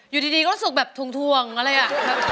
อยู่ดีก็รู้สึกแบบถ่วงอะไรอ่ะ